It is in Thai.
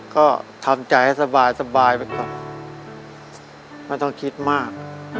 ก็ทำใจให้สบายไปก่อนไม่ต้องคิดมาก